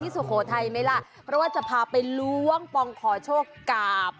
สุโขทัยไหมล่ะเพราะว่าจะพาไปล้วงปองขอโชคกราบ